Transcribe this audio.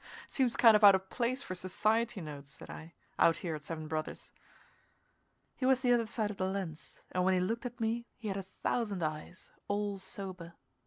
"Seems kind of out of place for society notes," said I, "out here at Seven Brothers." He was the other side of the lens, and when he looked at me he had a thousand eyes, all sober.